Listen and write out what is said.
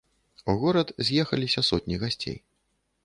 У горад з'ехаліся сотні гасцей.